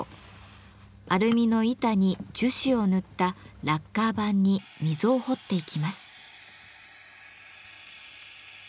アルミの板に樹脂を塗った「ラッカー盤」に溝を彫っていきます。